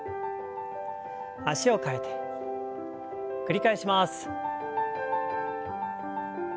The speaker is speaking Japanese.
脚を替えて繰り返します。